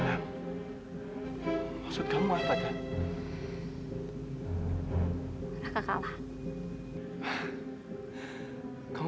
terbiasalah tni bersihkan silakan